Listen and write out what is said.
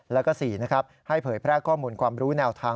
แล้วก็๔ให้เผยแพร่ข้อมูลความรู้แนวทาง